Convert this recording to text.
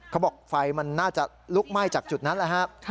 เขาบอกไฟมันน่าจะลุกไหม้จากจุดนั้นแหละครับ